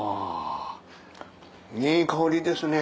いい香りですね。